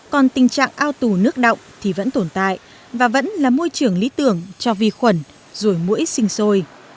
còn tình trạng ao tù nước động thì vẫn tồn tại và vẫn là môi trường lý tưởng cho vi khuẩn rồi mũi sinh sôi